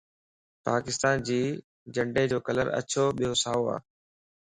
پاڪستان جي جنڊي جو ڪلر اڇو ٻيو سائو ا